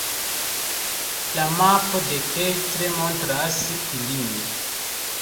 La mapo dekstre montras ilin.